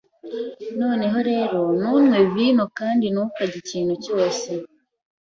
Noneho rero ntunywe vino kandi ntukarye ikintu cyose